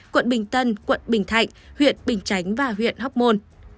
quận một mươi ba quận bình thạnh huyện bình chánh và huyện hóc môn